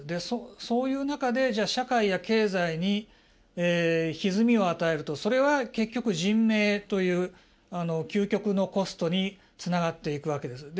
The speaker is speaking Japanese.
そういう中で社会や経済にひずみを与えるとそれは結局、人命という究極のコストにつながっていくわけです。